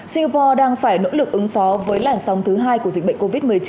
singapore đang phải nỗ lực ứng phó với làn sóng thứ hai của dịch bệnh covid một mươi chín